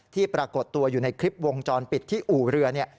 ปรากฏตัวอยู่ในคลิปวงจรปิดที่อู่เรือเนี่ย